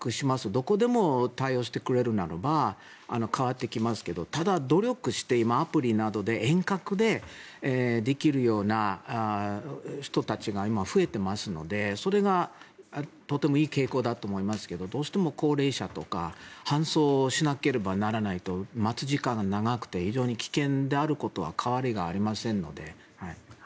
どこでも対応してくれるならば変わってきますけどただ、努力して、今アプリなどで遠隔でできるような人たちが今増えていますのでそれがとてもいい傾向だと思いますけどどうしても高齢者とか搬送しなければならないと待つ時間が長くて非常に危険であることには変わりはありませんので。